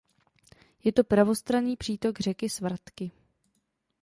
Je to pravostranný přítok řeky Svratky.